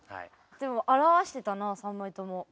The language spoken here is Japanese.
でも表してたな３枚とも。